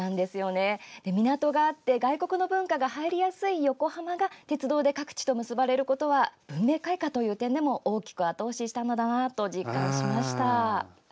港があって外国の文化が入りやすい横浜が鉄道で各地と結ばれることは文明開化という点でも大きく後押ししたのだなと実感しました。